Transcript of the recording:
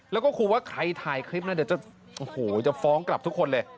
แล้วก็ครูว่าใครถ่ายคลิปนะเดี๋ยวจะฟ้องกลับทุกคนเลย